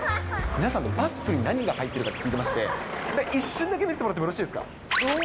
皆さんのバッグに何が入っているか聞いてまして、一瞬だけ見せてもらってもよろしいですか？